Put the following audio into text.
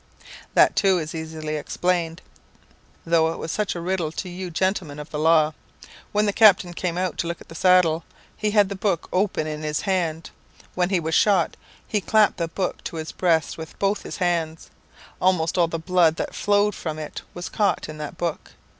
"That, too, is easily explained, though it was such a riddle to you gentlemen of the law. When the captain came out to look at the saddle, he had the book open in his hand. When he was shot, he clapped the book to his breast with both his hands. Almost all the blood that flowed from it was caught in that book.